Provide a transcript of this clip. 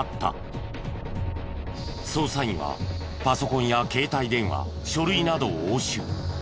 捜査員はパソコンや携帯電話書類などを押収。